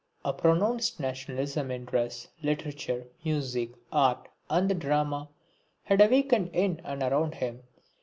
A pronounced nationalism in dress, literature, music, art and the drama had awakened in and around him.